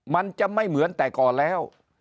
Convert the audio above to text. มันจะไม่เหมือนแต่ก่อนแล้ว